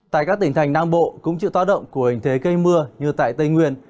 tại các tỉnh thành nam bộ cũng chịu tác động của hình thế gây mưa như tại tây nguyên